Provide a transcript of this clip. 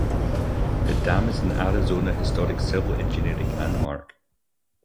The dam is an Arizona Historic Civil Engineering Landmark.